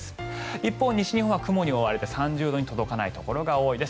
一方、西日本は雲に覆われて３０度に届かないところが多いです。